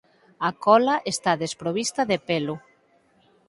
A cola está desprovista de pelo.